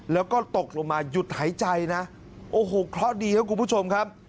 แล้วก็ตกลงมาหยุดหายใจนะโอ้โหเคราะห์ดีครับคุณผู้ชมครับ